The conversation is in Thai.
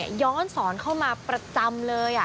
ย้อนสอนเข้ามาประจำเลย